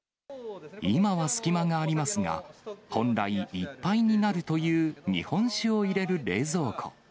今は隙間がありますが、本来、いっぱいになるという日本酒を入れる冷蔵庫。